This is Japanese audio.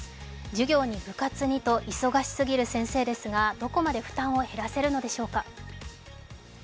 授業に部活にと忙しすぎる先生ですがどこまで負担を減らせるのでしょうか。